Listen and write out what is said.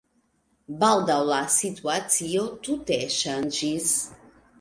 Baldaŭ la situacio tute ŝanĝis.